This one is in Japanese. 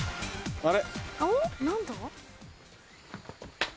あれ？